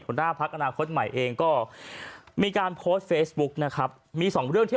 ทุกหน่วยในเขตที่๑นครปฐมต้องมีการนับคะแนนใหม่ในวันนี้